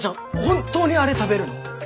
本当にあれ食べるの？